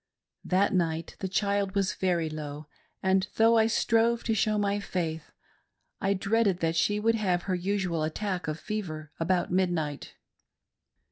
That night the child was very low, and though I strove to show my faith, I dreaded that she would have her usual at tack of fever about midnight.